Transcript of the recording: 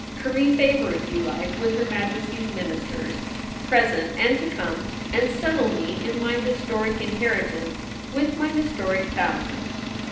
Curry favour if you like with her Majesty's Ministers, present and to come, and settle me in my historic inheritance with my historic thousands.